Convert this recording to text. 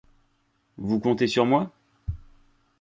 Vous comptez sur moi ?